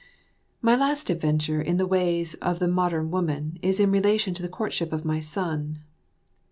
My last adventure in the ways or the modern woman is in relation to the courtship of my son.